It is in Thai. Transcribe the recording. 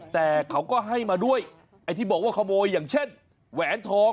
แต่เขาก็ให้มาด้วยไอ้ที่บอกว่าขโมยอย่างเช่นแหวนทอง